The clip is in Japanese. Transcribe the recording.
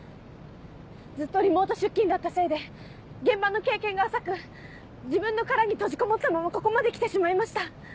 ずっとリモート出勤だったせいで現場の経験が浅く自分の殻に閉じこもったままここまで来てしまいました。